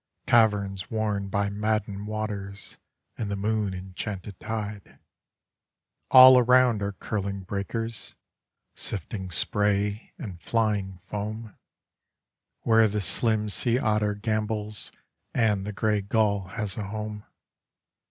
Caverns worn by maddened waters and the moon enchanted tide. All around are curling breakers, sifting spray and flying foam. Where the slim sea otter gambols and the gray gull has a home.